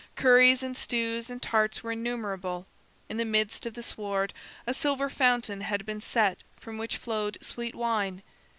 Curries and stews and tarts were innumerable. In the midst of the sward a silver fountain had been set from which flowed sweet wine.